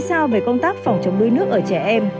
các em có thể tìm ra công tác phòng chống đuối nước ở trẻ em